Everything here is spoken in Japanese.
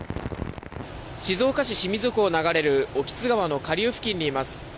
静岡市清水港を流れる興津川の下流付近にいます。